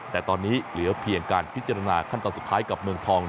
แต่ตอนนี้เหลือเพียงการพิจารณาขั้นตอนสุดท้ายกับเมืองทอง